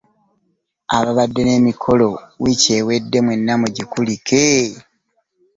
Ababadde n'emikolo wiiki ewedde mwenna mugikulike.